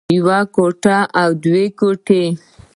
يوه ګوته او دوه ګوتې